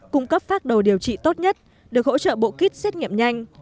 cung cấp phát đầu điều trị tốt nhất được hỗ trợ bộ kít xét nghiệm nhanh